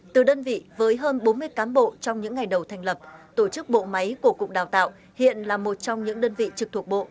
từ đơn vị với hơn bốn mươi cán bộ trong những ngày đầu thành lập tổ chức bộ máy của cục đào tạo hiện là một trong những đơn vị trực thuộc bộ